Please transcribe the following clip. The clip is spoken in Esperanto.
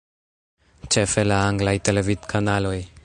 Ĉefe la anglaj televidkanaloj.